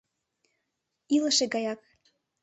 — Илыше гаяк.